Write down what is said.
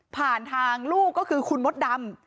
ผ่านทางลูกก็คือคุณมดดำ